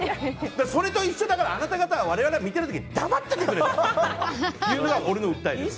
それと一緒だからあなたがたは我々が見てる時黙って見てくれというのが俺の訴えです。